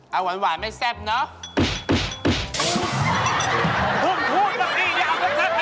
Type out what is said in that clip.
เอาหวานหวานไม่แซ่บเนอะ